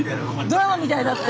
ドラマみたいだって。